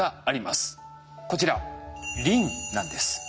こちらリンなんです。